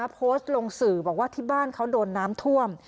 โพสต์ลงสื่อบอกว่าที่บ้านเขาโดนน้ำท่วม